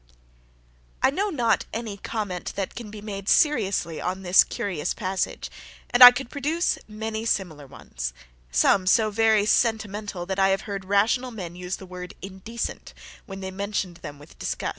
I know not any comment that can be made seriously on this curious passage, and I could produce many similar ones; and some, so very sentimental, that I have heard rational men use the word indecent, when they mentioned them with disgust.